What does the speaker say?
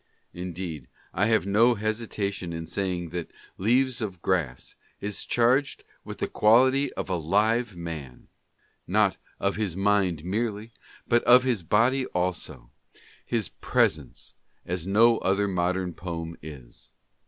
Indeed, I have no hesitation in saying that " Leaves of Grass " is charged with the quality of a live man — not of his mind merely, but of his body also, his 56 LETTERS. presence — as no other modern poem is.